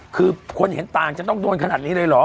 คือคนเห็นต่างจะต้องโดนขนาดนี้เลยเหรอ